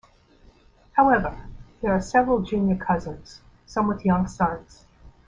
However, there are several junior cousins, some with young sons.